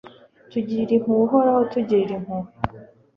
tugirire impuhwe, uhoraho, tugirire impuhwe